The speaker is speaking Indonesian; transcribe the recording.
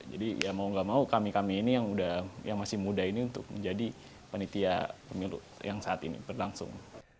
jadi ya mau gak mau kami kami ini yang masih muda ini untuk menjadi panitia pemilu yang saat ini berlangsung